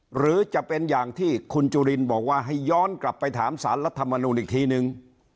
หรือจะเป็นอย่างที่คุณจุลินบอกว่าให้ย้อนกลับไปถามสารรัฐมนูลอีกทีนึง